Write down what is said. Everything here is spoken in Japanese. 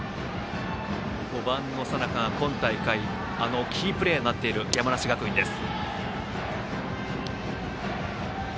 ５番の佐仲は今大会キープレーヤーになっている山梨学院です。